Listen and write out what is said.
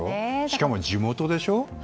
しかも、地元でしょ？